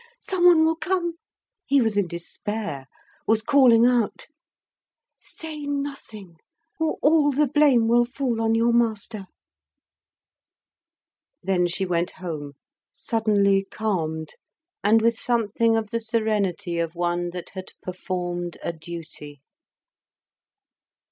someone will come." He was in despair, was calling out. "Say nothing, or all the blame will fall on your master." Then she went home, suddenly calmed, and with something of the serenity of one that had performed a duty.